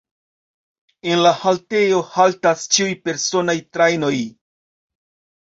En la haltejo haltas ĉiuj personaj trajnoj.